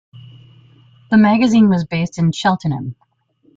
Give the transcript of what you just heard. The magazine was based in Cheltenham.